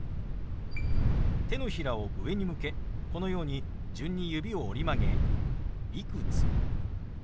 手のひらを上に向けこのように順に指を折り曲げ「いくつ」。